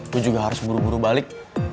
gue juga harus buru buru balik